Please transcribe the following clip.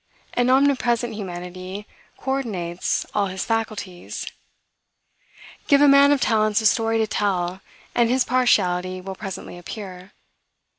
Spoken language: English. An omnipresent humanity co ordinates all his faculties. Give a man of talents a story to tell, and his partiality will presently appear.